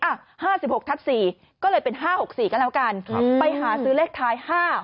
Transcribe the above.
๕๖ทับ๔ก็เลยเป็น๕๖๔ก็แล้วกันไปหาซื้อเลขท้าย๕